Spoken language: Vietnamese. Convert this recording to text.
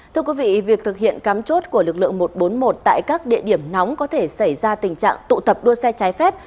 thưa quý vị việc thực hiện cắm chốt của lực lượng một trăm bốn mươi một tại các địa điểm nóng có thể xảy ra tình trạng tụ tập đua xe trái phép